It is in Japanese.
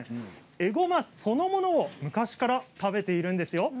えごまその物を昔から食べているんですよ。